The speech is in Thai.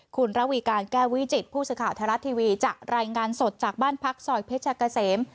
คุณระวีการแก้ววิจิตผู้สื่อข่าวไทยรัฐทีวีจะรายงานสดจากบ้านพักซอยเพชรเกษม